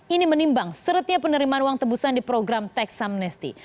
ini menimbang seretnya penerimaan uang tebusan di program teks amnesty